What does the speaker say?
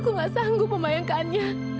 aku tidak sanggup memayangkannya